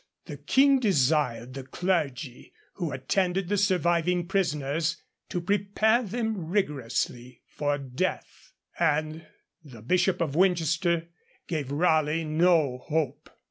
The King desired the clergy who attended the surviving prisoners to prepare them rigorously for death, and the Bishop of Winchester gave Raleigh no hope.